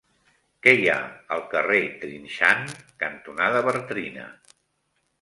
Què hi ha al carrer Trinxant cantonada Bartrina?